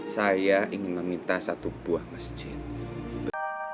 saya ingin meminta satu buah masjid